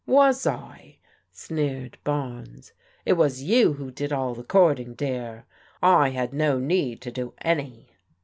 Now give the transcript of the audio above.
" Was I? " sneered Barnes. " It was you who did all the courting, dear. I had no need to do any."